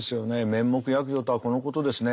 面目躍如とはこのことですね。